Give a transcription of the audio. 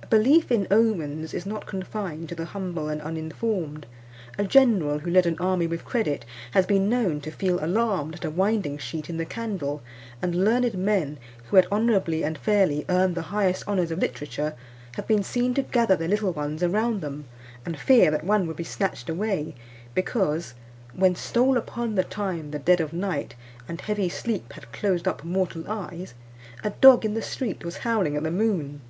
A belief in omens is not confined to the humble and uninformed. A general who led an army with credit has been known to feel alarmed at a winding sheet in the candle; and learned men, who had honourably and fairly earned the highest honours of literature, have been seen to gather their little ones around them, and fear that one would be snatched away, because, "When stole upon the time the dead of night, And heavy sleep had closed up mortal eyes," a dog in the street was howling at the moon.